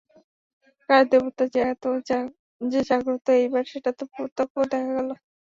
কার দেবতা যে জাগ্রত এইবার সেটা তো প্রত্যক্ষ দেখা গেল।